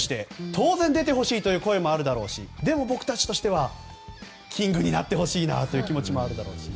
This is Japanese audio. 当然、出てほしいという声もあるだろうしでも、僕たちとしてはキングになってほしいなという気持ちもあるだろうし。